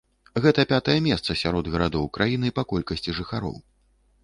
Гэта пятае месца сярод гарадоў краіны па колькасці жыхароў.